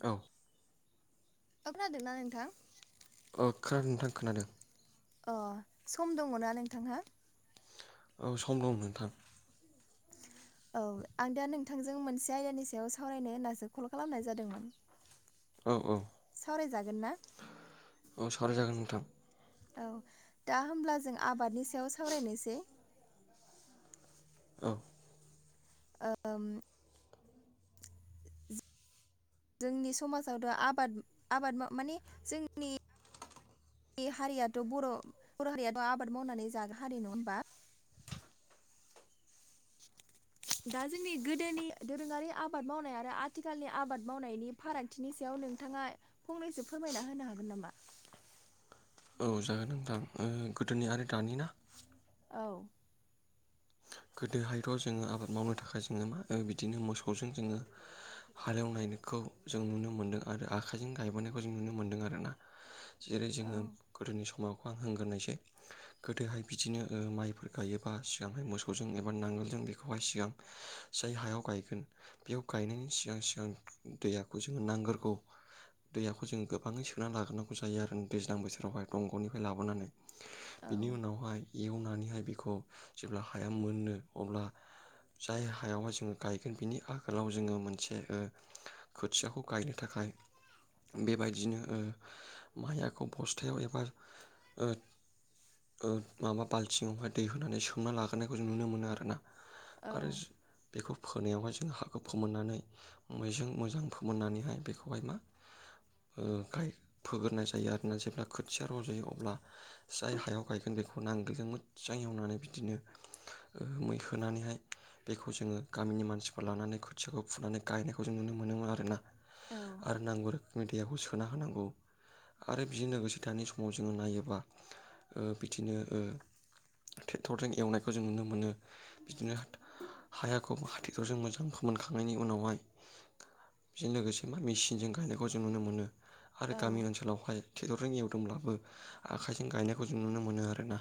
औ औ‌ खोनादों ना नोंथां अ खोनादों नोंथां खोनादों अ सम दङना नोंथांहा? औ सम दं नोंथां औ आं दा नोंथांजों मोनसे आयदानि सायाव सावरायनो होनासो कल खालामनाय जादोंमोन औ औ सावरायजागोन ना? औ सावराय जागोन नोंथां औ दा होमब्ला जों आबादनि सायाव सावरायनोसै औ ओ ओम जोंनि समाजावथ आबाद आबाद माने जोंनि हारियाथ बर बर हारियाथ' आबाद मावनानै जाग्रा हारि नङा होनोमबा? दा जोंनि गोदोनि दोरोङारि आबाद मावनाय आरो आथिखालनि आबाद मावनायनि फारागथिनि सायाव नोंथाङा फंनैसो फोरमायना होनो हागोन नामा? औ जागोन नथां ओ गोदोनि आरो दानि ना? औ गोदोहायथ' जोङो आबाद मावनो थाखाय जोङो मा बिदिनो मोसौजों जोङो हालेव नायनिखौ जों नुनो मोन्दों आरो आखाइजों गायबोनायखौ जों नुनो मोन्दों आरो ना जेरै औ जोङो गोदोनि समावखौ आं होग्रोनायसै गोदोहाय बिदिनो ओ माइफोर गायोबा सिगांहाय मोसौ सौजों एबा नांगोलजों बेखौहाय सिगां जाय हायाव गायगोन बेयाव गायनायनि सिगां सिगां दैयाखौ जोङो नांगोरगौ दैयाखौ जों गोबाङै सोनानै लाग्रोनांगौ जायो आरो दैज्लां बोथोरावहाय दंग'निफ्राय लाबोनानै औ बेनि उनावहाय एवनानैहाय बेखौ जेब्ला हाया मोनो अब्ला जाय हायावहाय जोङो गायगोन बिनि आगोलाव जोङो मोनसे ओ खोथियाखौ गायनो थाखाय बेबायदिनो ओ माइआखौ बस्थायाव एबा ओ माबा बाल्थिंआवहाय दै होनानै सोमना लाग्रोनायखौ जों नुनो मोनो आरो ना आरो औ बेखौ फोनायावहाय जों हाखौ फोमोननानै मेजों मोजां फोमोननानैहाय बेखौहाय मा ओ गाय फोग्रोनाय जायो आरोना जेब्ला खोथिया रंजायो अब्ला जाय हायाव गायगोन बेखौ नांगोलजों मोजां एवनानै बिदिनो। मै होनोनानैहाय बेखौ जोङो गामिनि मानसिफोर लानानै खोथियाखौ फुनानै गायनायखौ जों नुनो मोनोमोन आरोना औ आरो नांगौ रो मेडियाखौ सोना होनांगौ। आरो बिजों लोगोसे थानाय समाव जोङो नायोबा बिदिनो टेक्टरजों एवनाय खौ जों नुनो मोनो बिदिनो हायाखौ हाथिथ जों मोजां फोमोनखांनायनि उनावहाय बेजों लोगोसे मा मेचिनजों गायनायखौ जों नुनो मोनो आरो औ गामि ओनसोलावहाय थेक्टरजों एवदोंब्लाबो आखाइजों गायनायखौ जों नुनो मोनो आरोना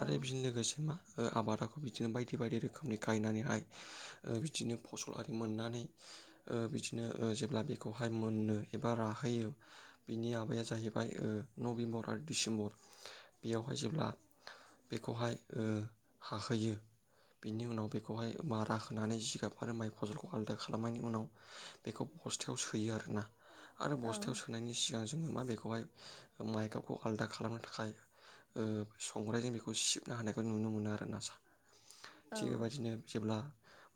आरो बेजों लोगोसे मा? ओ आबादा बिदिनो बायदि बायदि रोखोमनि गायनानैहाय ओ बिदिनो फसल आरि मोननानै बिदिनो जेब्ला बेखौहाय मोनो एबा राहोयो। बिनि आबाया जाहैबाय नभेम्बर आरो डिसेम्बर बेयावहाय जेब्ला [inaudible] बिनि उनाव बेखौहाय मारा होनानै जिगाब आरो माइ फसलखौ आलादा खालामनायनि उनाव बेखौ बस्थायाव सोयो आरोना आरो बस्थायाव सोनायनि सिगां जोङो मा बेखौहाय माइगाबखौ आलदा खालामनो थाखाय संग्राइजों बेखौ सिबना हानायखौ नुनो मोनो आरो। औ थिग बेबायदिनो जेब्ला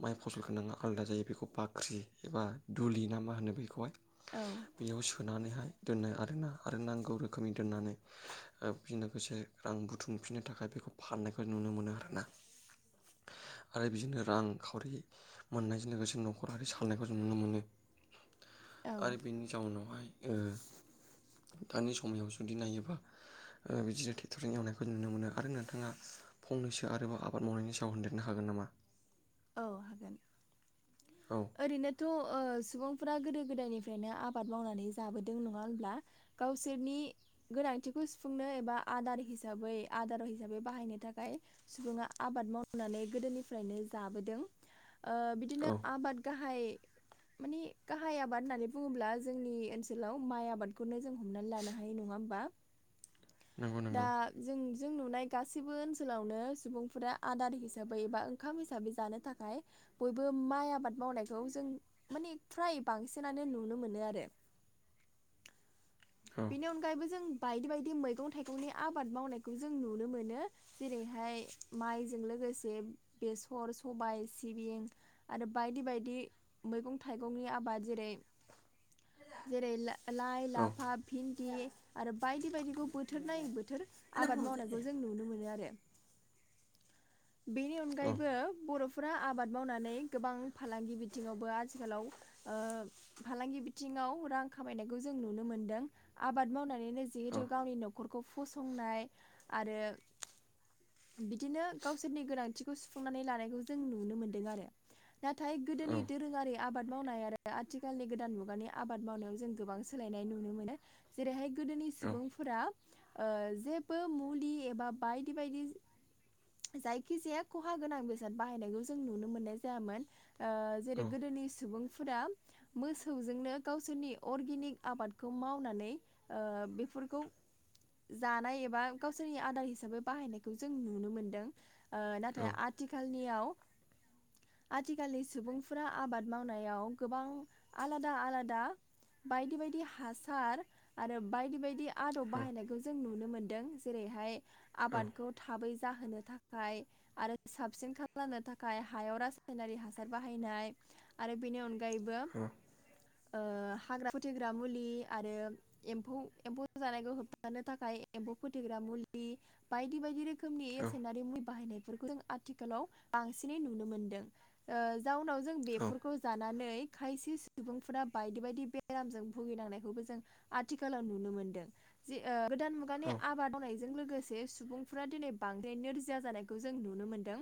माइ फसल गोनाङा आलादा जायो बेखौ बाख्रि एबा दुलि ना मा होनो बेखौहाय औ। बेयाव सोनानैहाय दोननाय आरोना आरो नांगौ रोखोमनि दोननानै बेजों लोगोसे रां बुथुमफिननो थाखाय बेखौ फाननायखौ नुनो मोनो आरो। ना आरो बिदिनो रांखावरि मोननायजों लोगोसे' जों नखरारि सालायनायखौ जों नुनो मोनो औ आरो बेनि जाउनावहाय दानि समाव जुदि नायोबा बिदिनो ट्रेक्टरजों एवनायखौ नुनो मोनो आरो नोंथाङा फंनैसो आरोबाव आबाद मावनायनि सायाव होनदेरनो हागोन नामा। औ हागोन। औ। ओरैनोथ' ओ सुबुंफोरा गोदो गोदायनिफ्रायनो आबाद मावनानै जाबोदों नङा होमब्ला गावसोरनि गोनांथिखौ सुफुंनो एबा आदार हिसाबै आदार हिसाबै बाहायनो थाखाय सुबुङा आबाद मावनानै गोदोनिफ्रायनो जाबोदों ओ बिदिनो औ आबाद गाहाइ मानि गाहाइ आबाद होननानै बुङोब्ला जोंनि ओनसोलाव माइ आबादखौनो जों हमनानै लानो हायो नङा होमबा नंगौ दा नंगौ जों जों नुनाय गासैबो ओनसोलावनो सुबुंफोरा आदार हिसाबै एबा ओंखाम हिसाबै जानो थाखाय बयबो माइ आबाद मावनायखौ जों मानि फ्राय बांसिनानो नुनो मोनो आरो। औ बेनि अनगायैबो जों बायदि बायदि मैगं थाइगंनि आबाद मावनायखौ जों नुनो मोनो। जेरैहाय माइजों लोगोसे बेसर सबाय सिबिं आरो बायदि बायदि मैगं थाइगंनि आबाद जेरै जेरै लाइ औ लाफा भिन्दि आरो बायदि बायदिखौ बो थोर नायै बोथोर आबाद मावनायखौ जों नुनो मोनो आरो। बेनि औ अनगायैबो बर'फोरा आबाद मावनानै गोबां फालांगि बिथिङावबो आथिखालाव ओ फालांगि बिथिङाव रां खामायनायखौ जों नुनो मोनदों। आबाद मावनानैनो औ जिहेथु गावनि न'खरखौ फसंनाय आरो। बिदिनो गावसोरनि गोनांथिखौ सुफुंनानै लानायखौ जों नुनो मोनदों आरो। नाथाय औ गोदोनि दोरोङारि आबाद मावनाय आरो आथिखालनि गोदान मुगानि आबाद मावनायाव जों गोबां सोलायनाय नुनो मोनो जेरैहाय गोदोनि औ सुबुंफोरा ओ जेबो मुलि एबा बायदि बायदि जायखिजाया खहा गोनां बेसाद बाहायनायखौ जों नुनो मोननाय जायामोन। ओ औ जेरै गोदोनि सुबुंफोरा मोसौजोंनो गावसोरनि अर्गेनिक आबादखौ माव नानै ओ बेफोरखौ जानाय एबा गावसोरनि आदार हिसाबै बाहायनायखौ जों नुनो मोनदों। ओ नाथाय आथिखालनियाव आथिखालनि सुबुंफोरा आबाद मावनायाव गोबां आलादा आलादा बायदि बायदि हासा र आरो बायदि बायदि आदब बाहायनायखौ जों नुनो मोन्दों जेरैहाय औ आबादखौ थाबै जाहोनो थाखाय आरो साबसिन खालामनो थाखाय हायाव रासायनारि हासार बाहायनाय आरो बेनि अनगायैबो [unintelligible] हाग्रा फोथैग्रा मुलि आरो एम्फौ एम्फौ जानायखौ होबथानो थाखाय एम्फौ फोथैग्रा मुलि बायदि बायदि रोखोम रोखोमनि एसायनारि मुुलि बाहायनायफोरखौ जों आथिखालाव बांसिनै नुनो मोनदों ओ जाउनाव जों बेफोरखौ जानानै खायसे सुबुंफोरा बायदि बायदि बेरामजों भुगिनांनायखौबो आथिखालाव नुनो मोनदों। जे ओ गोदान मुगानि आबाद मावनाय जों लोगोसे सुबुंफोरा दिनै बांद्राय नोरजिया जानायखौ जों नुनो मोनदों।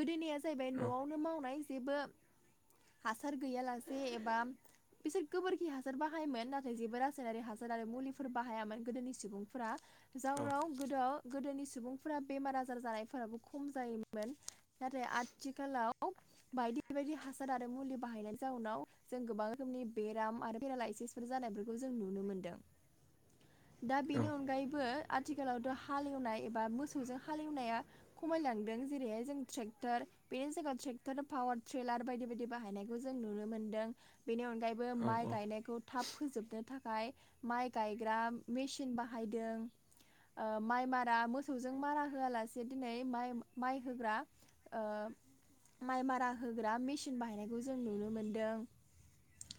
गोदोनि जाहैबाय न'आवनो मावनाय जेबो हासार गैयालासे एबा बिसोर गोबोरखि हासार बाहायोमोन नाथाय जेबो रासायनारि मुलिफोर बाहायामोन गोदोनि सुबुंफोरा जनाव गोद गोदनि सुबुं फोरा बेमार आजार जानायफोराबो खम जायोमोन नाथाय आथिखालाव बायदि बायदि हासार आरो मुलि बाहायनायनि जाउनाव जों गोबां रोखोमनि बेराम आरो पेरालाायसिसफोर जानायफोरखौ जों नुनो मोनदों। दा बेनि अनगायैबो आथिखालावथ' हालेवनाय एबा मोसौजों हालेवनाया खमायलांदों जेरैहाय जों ट्रेक्टर बेनि जायगायाव ट्रेक्टर पावार ट्रलार बायदि बायदि बाहायनायखौ जों नुनो मोन्दों बेनि अनगायै औ माइ औ गायनायखौ थाब फोजोब नो थाखाय माइ गायग्रा मेसिन बाहायदों। माइ मारा मोसौजों मारा होआलासे दिनै माइ होग्रा ओ माइ मारा होग्रा मेसिन बाहायनायखौ जों नुनो मोनदों।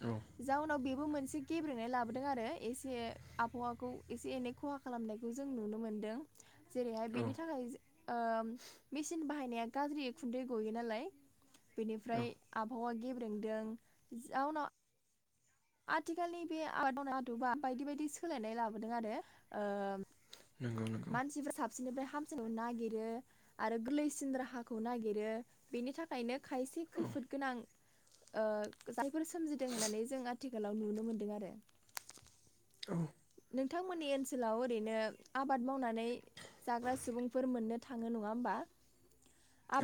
औ। जाउनाव बेबो मोनसे गेब्रेनाय लाबोदों आरो एसे आबहावाखौ एसे एनै खहा खालामनायखौ जों नुनो मोनदों। जेरैहाय औ बेनि थाखाय ओ मेसिन बाहायनाया गाज्रि खुन्दै गयो नालाय औ बेनिफ्राय आबहावा गेब्रेंदों जाउनाव आथिखालनि बे आबादावनो आदबा बायदि बायदि सोलायनाय लाबोदों आरो नंगौ नंगौ मानसिफ्रा साबसिननिफ्राय हामसिन नागिरो आरो गोरलैसिन राहाखौ नागिरो बेनि थाखायनो खायसे औ खैफोद गोनां ओ जायफोर सोमजिदों होननानै जों आथिखालाव नुनो मोनदों आरो औ। नोंथांमोननि ओनसोलाव ओरैनो आबाद मावनानै जाग्रा सुबुंफोर मोननो थाङो नङा होमबा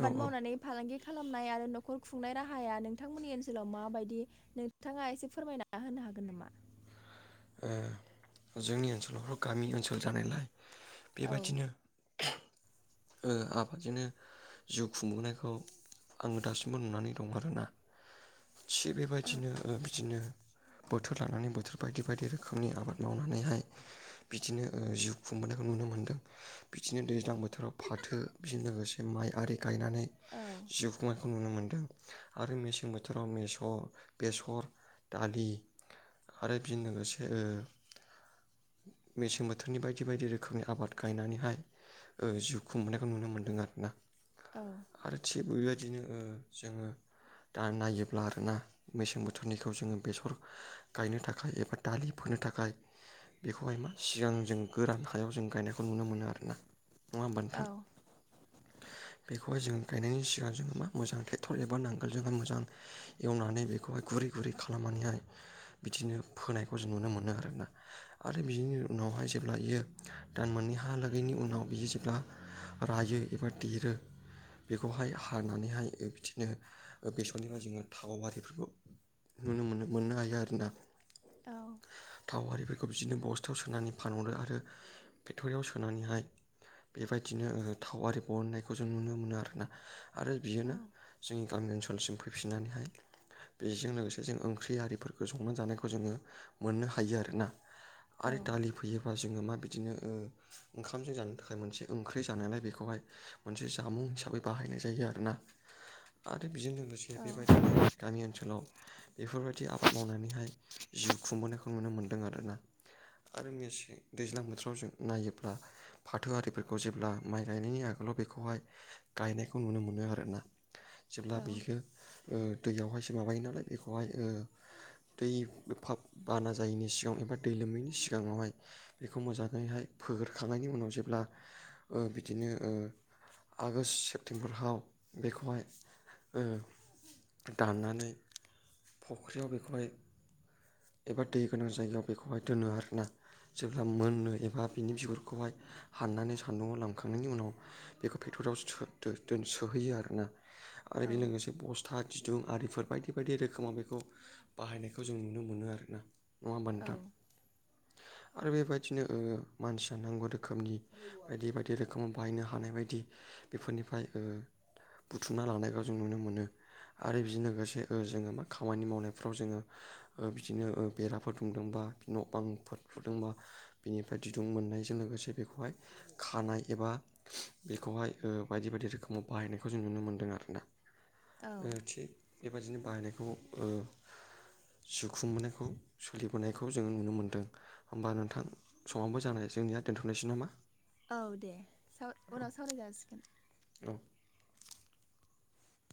औ ओ मावनानै फालांगि खालामनाय आरो नखर खुंनाय राहाया नोंथांमोननि ओनसोलाव माबायदि नोंथांङा एसे फोरमायना होनो हागोन नामा? ओ जोंनि ओनसोलावथ' गामि ओनसोल जानायलाय औ बेबादिनो ओ आबादजोंनो जिउ खुंबोनायखौ आंङो दासिमबो नुनानै दं आरोना। थि औ बेबायदिनो बिदिनो बोथोर लानानै बोथोर बायदि बायदि रोखोमनि आबाद मावनानैहाय बिदिनो जिउ खुंबोनायखौ नुनो मोनदों बिदिनो दैज्लां बोथोर फाथो बेजों लोगोसे माइ आरि गायनानै औ। जिउ खुंनायखौ नुनो मोन्दों आरो मेसें बोथोराव मेस बेसर दालि बिनो लोगोसे ओ मेसें बोथोरनि बायदि बायदि रोखोमनि आबाद गायनानैहाय ओ जिउ खुंबैनायखौ नुनो मोन्दों आरो ना। औ आरो थिग बेबायदिनो जोङो दा नायोब्ला आरोना मेसें बोथोरनिखौ जोङो बेसर गायनो थाखाय थाखाय एबा दालि फोनो थाखाय बेखौहाय मा सिगां जों गोरान हायाव जों गायनायखौ नुनो मोनो आरोना नङा होनबा औ नोंथा? बेखौहाय जों गायनायनि सिगां जोङो मा मोजां ट्रेक्टर एबा नांगोलजोंहाय मोजां एवनानै बेखौहाय गुरै गुरै खालामनानैहाय बिदिनो फोनायखौ जों नुनो मोनो आरोना। आरो बिनि उनावहाय जेब्ला बियो दान मोननै हालागैनि उनाव बियो जेब्ला रायो एबा देरो बेखौहाय हानानैहाय बिदिनो बेसरनिफ्राय जोङो थाव आरिफोरखौ नुनो मोनो मोननो हायो आरोना। औ थाव आरिफोरखौ बिदिनो बस्थायाव सोनानै फानहरो आरो फेक्टरियाव सोनानैहाय बेबायदिनो थाव आरि बरननायखौ जों नुनो मोनो आरोना। आरो औ बियोनो जोंनि गामि ओनसोलसिम फैफिननानैहाय बेजों लोगोसे जों ओंख्रि आरिफोरखौ संनानै जानायखौ जोङो मोननो हायो आरोना औ आरो दालि फैयोबा जोङो मा बिदिनो ओंखामजों जानो थाखाय मोनसे ओंख्रि जानायलाय बेखौहाय मोनसे जामुं हिसाबै बाहायनाय जायो आरोना आरो बेजों लोगोसे औ बेबायदिनो गामि ओनसोलाव बेफोरबायदि आबाद मावनानैहाय जिउ खुंबोनायखौ नुनो मोन्दों आरोना आरो लोगोसे दैज्लां बोथोराव जों नायोब्ला फाथोआरिफोरखौ जेब्ला माइ गायनायनि आगोलाव बेखौहाय गायनायखौ नुनो मोनो आरोना। जेब्ला बियो ओ दैयावहायसो माबायो नालाय बेखौहाय दै बे फाब बाना जायिनि सिगां एबा दै लोमैनि सिगाङावहाय बेखौ मोजाङैहाय फोग्रखांनायनि उनाव जेब्ला ओ बिदिनो ओ आगष्ट सेप्तेम्बराव बेखौहाय ओ दाननानै फुख्रियाव बेखौहाय एबा दै गोनां जायगायाव बेखौहाय दोनो आरोना जेब्ला मोनो एबा बिनि बिगुरखौहाय हाननानै सान्दुंआव लांखांनायनि उनाव बेखौ फेक्टराव सो-थो-थो-सोहैयो आरोना आरो औ बेजों लोगोसे बस्था दिरूं आरिफोर बायदि बायदि रोखोमाव बेखौ बाहायनायखौ जों नुनो मोनो आरोना। नङा होनबा औ नोंथां आरो बेबायदिनो मानसिया नांगौ रोखोमनि बायदि बायदि रोखोमाव बायनो हानाय बायदि बेफोरनिफ्राय बुथुमना लानायखौव जों नुनो मोनो आरो बेजों लोगोसे जोङो मा खामानि मावनायफ्राव जोङो बिदिनो बेराफोर दुमदोंबा न' बांफोर फुदोंबा बेनिफ्राय दिरूं मोननायजों लोगोसे बेखौहाय खानाय एबा बेखौहाय बायदि बायदि रोखोमाव बाहायनायखौ जों नुनो मोनदों आरोना। औ थिग बेबादिनो बाहायनायखौ ओ जिखुं मोननायखौ सोलिबोनायखौ जोङो नुनो मोन्दों। होमबा नोंथां समाबो जानाय जोंनिया दोनथ'नायसै नामा? औ दे औ उनाव सावराय जाासिगोन। औ